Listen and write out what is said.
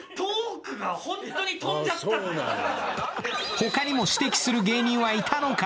ほかにも指摘する芸人はいたのか。